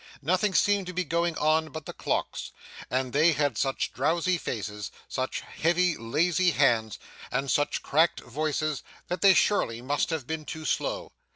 Nothing seemed to be going on but the clocks, and they had such drowzy faces, such heavy lazy hands, and such cracked voices that they surely must have been too slow.